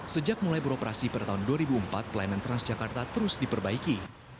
sejak mulai beroperasi pada tahun dua ribu empat pelayanan transjakarta terus diperbaiki